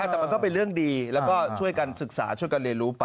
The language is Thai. แต่มันก็เป็นเรื่องดีแล้วก็ช่วยกันศึกษาช่วยกันเรียนรู้ไป